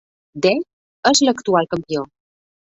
Dave és l'actual campió.